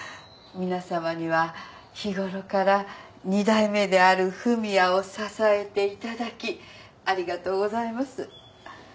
皆さまには日ごろから２代目である文也を支えていただきありがとうございます。